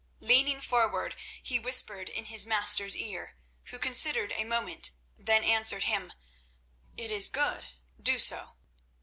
Leaning forward, he whispered in his master's ear, who considered a moment, then answered him: "It is good. Do so."